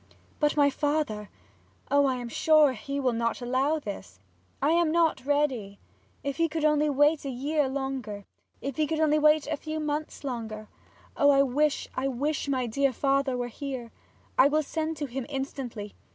'But my father oh, I am sure he will not allow this! I am not ready. If he could only wait a year longer if he could only wait a few months longer! Oh, I wish I wish my dear father were here! I will send to him instantly.'